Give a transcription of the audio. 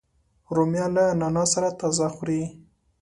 رومیان له نعناع سره تازه خوري